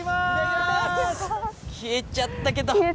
消えちゃったけど。